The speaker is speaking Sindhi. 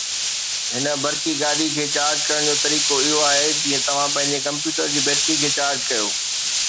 هن برقي گاڏي کي چارج ڪرڻ جو طريقو اهو آهي جيئن توهان پنهنجي ڪمپيوٽر جي بيٽري کي چارج ڪيو